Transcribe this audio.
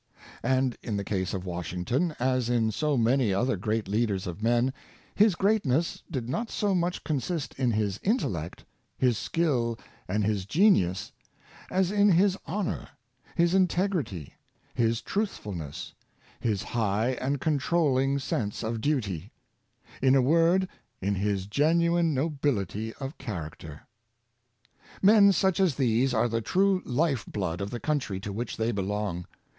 And in the case of Washington, as in so many other great leaders of men, his greatness did not so much con sist in his intellect, his skill and his genius, as in his honor, his integrity, his truthfulness, his high and con trolling sense of duty— in a word, in his genuine nobility of character. Men such as these are the true life blood of the coun try t6 which they belong.